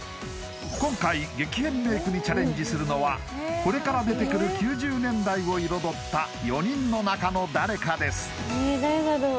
今回激変メイクにチャレンジするのはこれから出てくる９０年代を彩った４人の中の誰かです